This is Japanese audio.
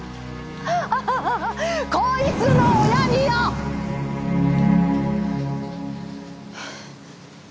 こいつの親によ！え？